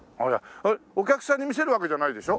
お客さんに見せるわけじゃないでしょ？